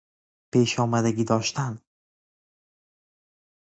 پیشامدگی داشتن